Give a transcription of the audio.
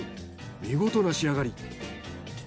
見事な仕上がり。